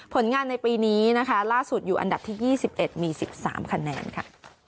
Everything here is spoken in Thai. ผลงานในปีนี้นะคะล่าสุดอยู่อันดับที่๒๑มี๑๓คะแนนค่ะ